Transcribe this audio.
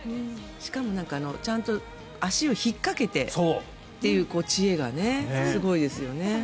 しかもちゃんと足を引っかけてという知恵がすごいですよね。